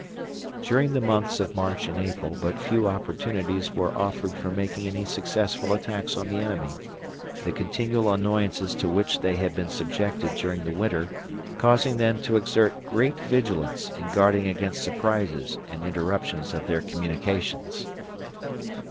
During the months of March and April but few opportunities were offered for making any successful attacks on the enemy, the continual annoyances to which they had been subjected during the winter causing them to exert great vigilance in guarding against surprises and interruptions of their communications.